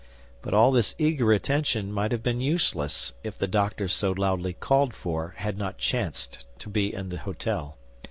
But all this eager attention might have been useless if the doctor so loudly called for had not chanced to be in the hôtel.